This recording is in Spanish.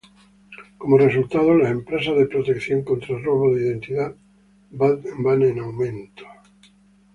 Como resultado, las empresas de protección contra robo de identidad van en aumento.